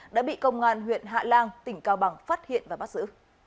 đã bị công an huyện hạ lan tỉnh cao bằng phát hiện và bắt giữ